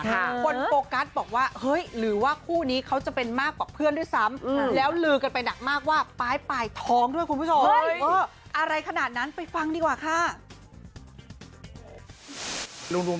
คนโปกัสก็บอกว่าหรือว่าคู่นี้เขาจะเป็นมากกว่าเพื่อนด้วยซั้ม